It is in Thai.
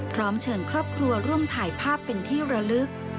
พร้อมเชิญครอบครัวร่วมถ่ายภาพเป็นที่ระลึก